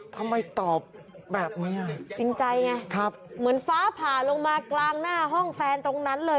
ทำไมตอบแบบนี้อ่ะจริงใจไงครับเหมือนฟ้าผ่าลงมากลางหน้าห้องแฟนตรงนั้นเลย